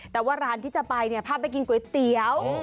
แต่ว่าร้านที่จะไปเนี่ยพาไปกินก๋วยเตี๋ยว